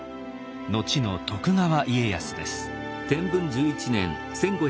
後の徳川家康です。